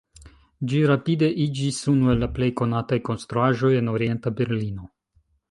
Ĝi rapide iĝis unu el la plej konataj konstruaĵoj en Orienta Berlino.